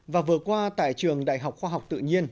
và vừa qua tại trường đại học khoa học tự nhiên